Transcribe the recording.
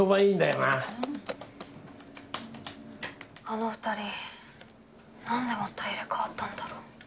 あの２人なんでまた入れ替わったんだろう？